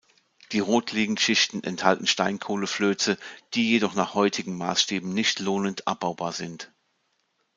Die Rotliegend-Schichten enthalten Steinkohleflöze, die jedoch nach heutigen Maßstäben nicht lohnend abbaubar sind.